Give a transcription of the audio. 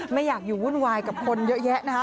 ไม่อยากอยู่วุ่นวายกับคนเยอะแยะนะคะ